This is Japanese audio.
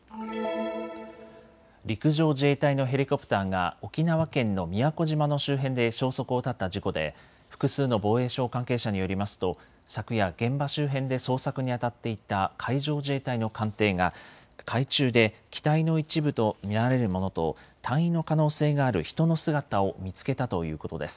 陸上自衛隊のヘリコプターが沖縄県の宮古島の周辺で消息を絶った事故で複数の防衛省関係者によりますと昨夜、現場周辺で捜索にあたっていた海上自衛隊の艦艇が海中で機体の一部と見られるものと隊員の可能性がある人の姿を見つけたということです。